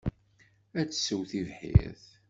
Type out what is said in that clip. Ad tessew tibḥirt.